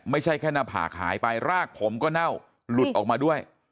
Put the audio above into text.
ไม่ใช่แค่หน้าผากหายไปรากผมก็เน่าหลุดออกมาด้วย